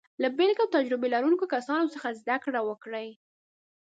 له بېلګې او تجربه لرونکو کسانو څخه زده کړه وکړئ.